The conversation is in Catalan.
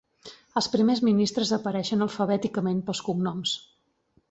Els Primers Ministres apareixen alfabèticament pels cognoms.